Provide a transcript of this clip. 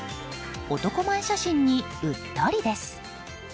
男前写真にうっとりです。